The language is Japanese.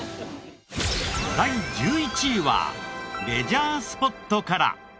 第１１位はレジャースポットから。